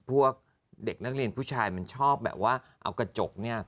พวกเด็กนักเรียนผู้ชายชอบเอากระจกเนี่ย